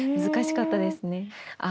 難しかったですね。